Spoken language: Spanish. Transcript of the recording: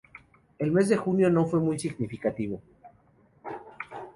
El mes de junio no fue muy significativo.